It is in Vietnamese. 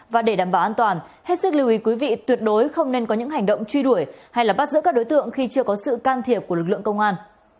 và để đảm bảo an toàn hết sức lưu ý quý vị tuyệt đối không nên có những hành động truy đuổi hay bắt giữ các đối tượng khi chưa có sự can thiệp của lực lượng công an